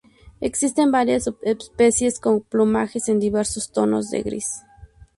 Existen varias subespecies con plumajes en diversos tonos de gris.